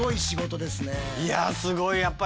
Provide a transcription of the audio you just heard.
いやすごいよ。